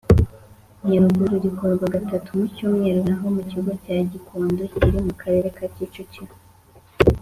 Nyaruguru rikorwa gatatu mu cyumweru naho mu kigo cya gikondo kiri mu karere ka kicukiro